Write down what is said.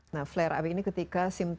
nah flare up ini ketika